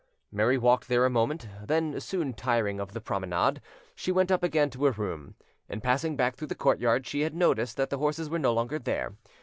Mary walked there a moment; then, soon tiring of the promenade, she went up again to her room: in passing back through the courtyard she had noticed that the horses were no longer there.